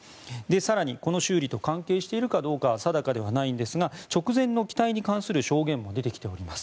更に、この修理と関係しているかどうかは定かではないんですが直前の機体に関する証言も出てきています。